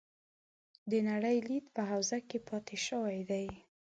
د نړۍ لید په حوزه کې پاتې شوي دي.